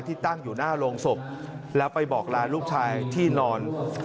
ตั้งอยู่หน้าโรงศพแล้วไปบอกลาลูกชายที่นอน